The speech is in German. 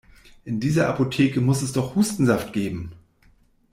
In dieser Apotheke muss es doch Hustensaft geben!